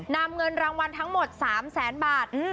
นามเงินรางวัลทั้งหมดสามแสนบาทอืม